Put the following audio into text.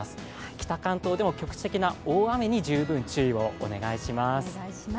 北関東でも局地的な大雨に十分注意をお願いします。